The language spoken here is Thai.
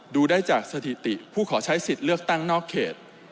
ดูได้จากสถิติผู้ขอใช้สิทธิ์เลือกตั้งนอกเขต